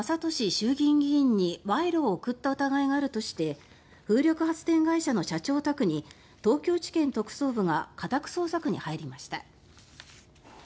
衆議院議員に賄賂を贈った疑いがあるとして風力発電会社の社長宅に東京地検特捜部が家宅捜索に入りました。